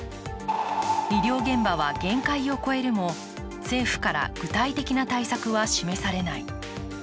医療現場は限界を超えるも政府から具体的な対策は示されない。